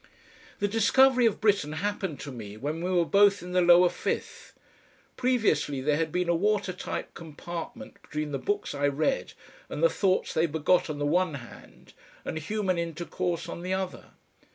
The discovery of Britten happened to me when we were both in the Lower Fifth. Previously there had been a watertight compartment between the books I read and the thoughts they begot on the one hand and human intercourse on the other.